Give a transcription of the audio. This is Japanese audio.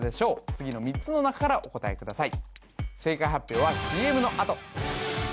次の３つの中からお答えください